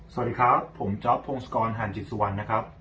สวัสดีครับผมจ๊อปพงศกรหันจิตสุวรรณนะครับ